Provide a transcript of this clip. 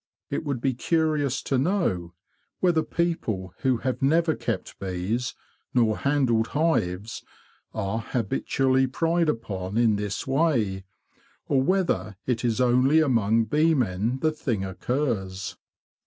It would be curious to know whether people who have never kept bees, nor handled hives, are habitually pried upon in this way; or whether it is only among bee men the thing occurs.